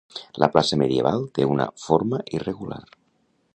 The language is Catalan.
La plaça medieval té una forma irregular.